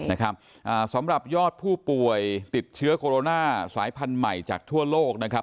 นะครับอ่าสำหรับยอดผู้ป่วยติดเชื้อโคโรนาสายพันธุ์ใหม่จากทั่วโลกนะครับ